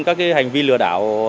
các hành vi lừa đảo